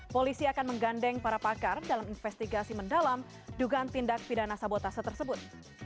polisi akan menggandeng para pakar dalam investigasi mendalam dugaan tindak pidana sabotase tersebut